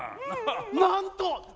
なんと！